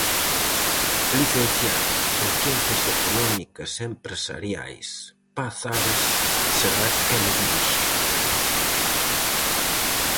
A licenciada en Ciencias Económicas e Empresariais, Paz Ares, será quen o dirixa.